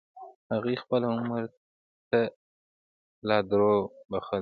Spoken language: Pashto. هغې خپل عمر تا له دروبخل.